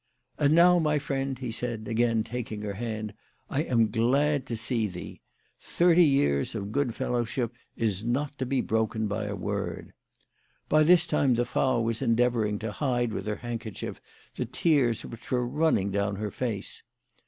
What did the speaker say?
" And now, my friend," he said, again taking her hand, " I am glad to see thee. Thirty years of good fellowship is not to be broken by a word." By this time the Frau was endeavouring to hide with her hand kerchief the tears which were running down her face.